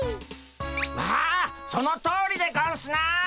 ああそのとおりでゴンスな。